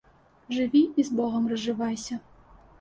Жыві і з Богам разжывайся